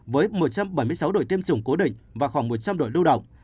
với một trăm bảy mươi sáu đội tiêm chủng cố định và khoảng một trăm linh đội lưu động